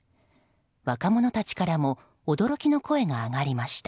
若者たちからも驚きの声が上がりました。